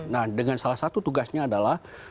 nah dengan salah satu tugasnya adalah